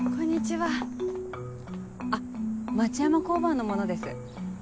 あっ町山交番の者です。